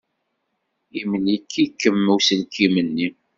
Imlek-ikem uselkim-nni.